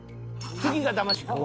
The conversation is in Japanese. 次がだましか！